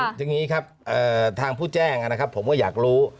อย่างนี้ครับทางผู้แจ้งนะครับผมก็อยากรู้